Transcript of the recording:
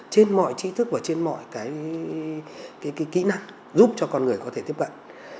trên mọi trí thức và trên mọi cái kỹ năng giúp cho con người có thể tiếp cận